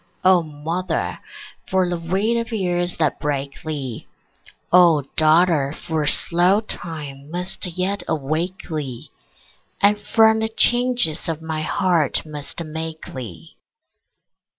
O mother, for the weight of years that break thee! O daughter, for slow time must yet awake thee, And from the changes of my heart must make thee!